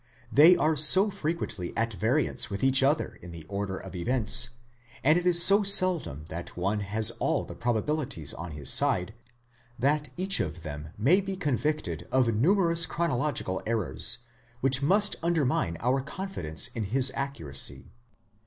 They are so frequently at variance with each other in the order of events, and it is so seldom that one has all the probabilities on his side, that each of them may be convicted of numerous chronological errors, which must undermine our confidence in his accuracy.